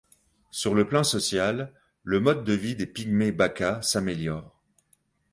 Sur le plan social, le mode de vie des pygmées baka s'améliore.